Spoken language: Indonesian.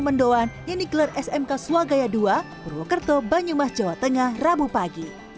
pertama pelajar dalam lomba mendoan yang dikelar smk swagaya ii purwokerto banyumas jawa tengah rabu pagi